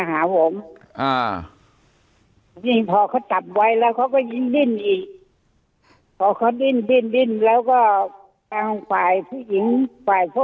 แต่ทีนี้เสร็จแล้วเขาจะจับโดยไม่ถนัดอันนี้คือผู้หญิงก็ผู้ชายน่ะ